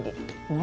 何？